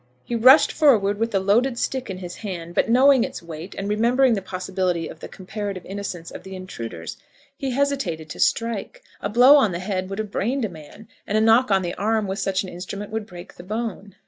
He rushed forward with the loaded stick in his hand, but, knowing its weight, and remembering the possibility of the comparative innocence of the intruders, he hesitated to strike. A blow on the head would have brained a man, and a knock on the arm with such an instrument would break the bone.